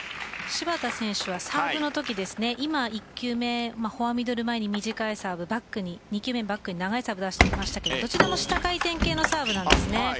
芝田選手はサーブの時今、１球目フォアミドル前に短いサーブ２球目バックに長いサーブ出してきましたけれどどちらも下回転系のサーブです。